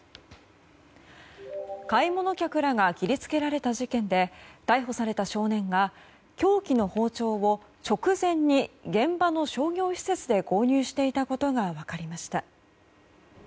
買い物客らが切り付けられた事件で、逮捕された少年が凶器の包丁を直前に現場の商業施設で購入していたことが分かりました。